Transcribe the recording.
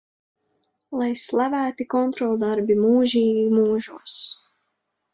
Lai slavēti kontroldarbi mūžīgi mūžos!